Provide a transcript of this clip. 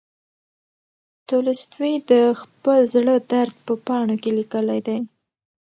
تولستوی د خپل زړه درد په پاڼو کې لیکلی دی.